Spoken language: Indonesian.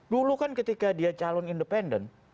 dulu kan ketika dia calon independen